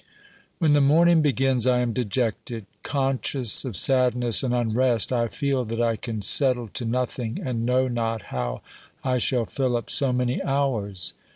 When the morning begins I am dejected ; conscious of sadness and unrest, I feel that I can settle to nothing and know not how I shall fill up so many hours.